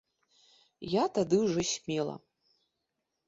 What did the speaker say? Я тады ўжо смела.